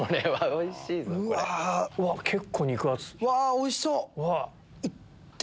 おいしそう！